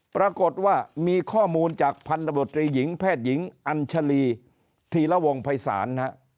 ปรากฏว่ามีข้อมูลจากพันธบตรีหญิงแพทย์หญิงอัญชลีธีระวงภัยศาล